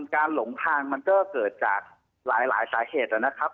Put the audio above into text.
หลงทางมันก็เกิดจากหลายสาเหตุนะครับ